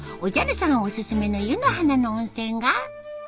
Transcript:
さんオススメの湯の花の温泉が。